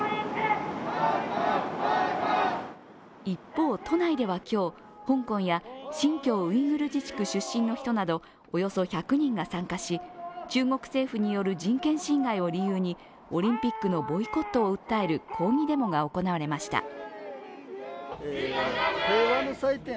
一方、都内では今日、香港や新疆ウイグル自治区出身の人などおよそ１００人が参加し、中国政府による人権侵害を理由にオリンピックのボイコットを訴える抗議デモが行われました。